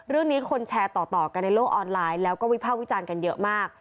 คนแชร์ต่อกันในโลกออนไลน์แล้วก็วิภาควิจารณ์กันเยอะมาก